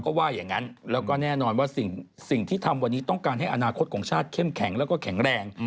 ก็ว่าอย่างนั้นแล้วก็แน่นอนว่าสิ่งที่ทำวันนี้ต้องการให้อนาคตของชาติเข้มแข็งแล้วก็แข็งแรง